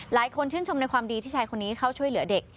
หลายคนชื่นชมในความดีที่ชายคนนี้เข้าช่วยเหลือเด็ก